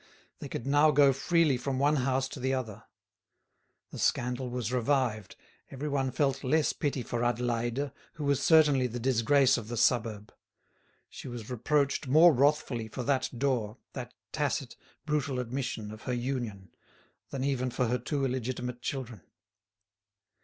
They could now go freely from one house to the other. The scandal was revived, everyone felt less pity for Adélaïde, who was certainly the disgrace of the suburb; she was reproached more wrathfully for that door, that tacit, brutal admission of her union, than even for her two illegitimate children.